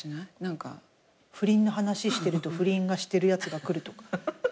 不倫の話してると不倫してるやつが来るとか？